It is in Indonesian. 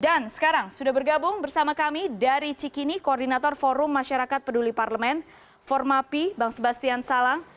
dan sekarang sudah bergabung bersama kami dari cikini koordinator forum masyarakat peduli parlemen formapi bang sebastian salang